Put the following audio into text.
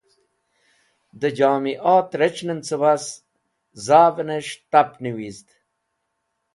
De Jomiaat Rec̃hnen cabas Zavnes̃h Tap Nivizd